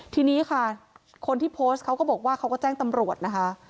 ทีนี้ค่ะคนที่โพสต์เขาก็บอกว่าเขาก็แจ้งตำรวจนะคะ